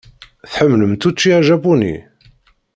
Tḥemmlemt učči ajapuni?